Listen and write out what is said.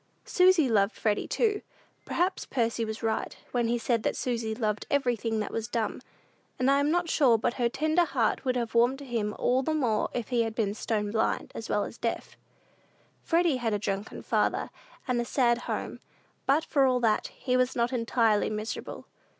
Susy loved Freddy, too. Perhaps Percy was right, when he said that Susy loved everything that was dumb; and I am not sure but her tender heart would have warmed to him all the more if he had been stone blind, as well as deaf. Freddy had a drunken father, and a sad home; but, for all that, he was not entirely miserable.